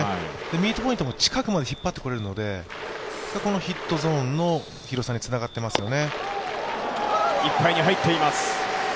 ミートポイントも近くまで打ってこられるのでこのヒットゾーンの広さにつながっていますよね。